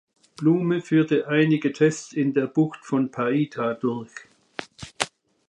Blume führte einige Tests in der Bucht von Paita durch.